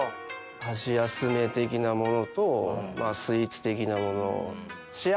箸休め的なものとスイーツ的なもの。